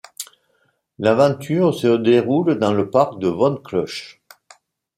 L'aventure se déroule dans le parc de Von Clutch.